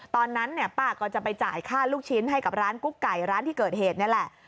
ตอนนั้นเนี่ยป้าก็จะไปจ่ายค่าลูกชิ้นให้กับร้านกุ๊กไก่ร้านที่เกิดเหตุนี่แหละ